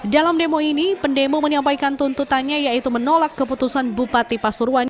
dalam demo ini pendemo menyampaikan tuntutannya yaitu menolak keputusan bupati pasuruan